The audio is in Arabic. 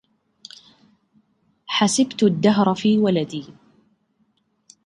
حسبت الدهر في ولدي